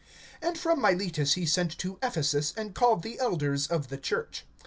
(17)And from Miletus he sent to Ephesus, and called the elders of the church.